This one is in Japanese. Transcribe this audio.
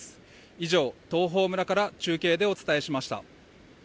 以上、東峰村から中継でお伝えしました。